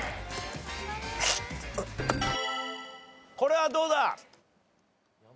これはどうだ？